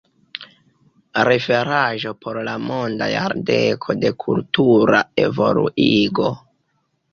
Referaĵo por la Monda Jardeko de Kultura Evoluigo.